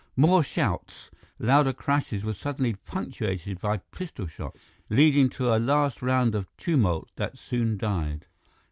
More shouts, louder crashes were suddenly punctuated by pistol shots, leading to a last round of tumult that soon died.